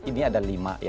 ini ada lima ya